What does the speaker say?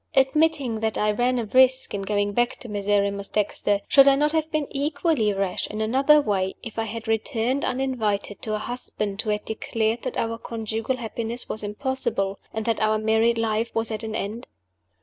Admitting that I ran a risk in going back to Miserrimus Dexter, should I not have been equally rash, in another way, if I had returned, uninvited, to a husband who had declared that our conjugal happiness was impossible, and that our married life was at an end?